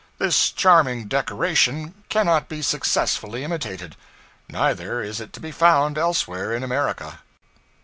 This charming decoration cannot be successfully imitated; neither is it to be found elsewhere in America.